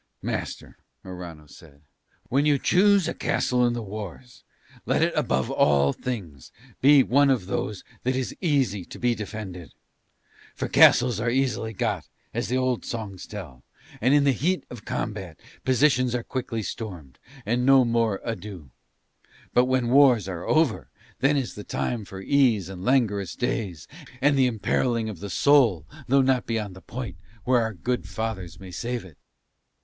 "Master," Morano said, "when you choose a castle in the wars, let it above all things be one of those that is easy to be defended; for castles are easily got, as the old songs tell, and in the heat of combat positions are quickly stormed, and no more ado; but, when wars are over, then is the time for ease and languorous days and the imperilling of the soul, though not beyond the point where our good fathers may save it."